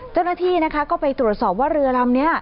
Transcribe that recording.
เจ้าหน้าที่นะคะก็ไปตรวจสอบว่าเรือลำนี้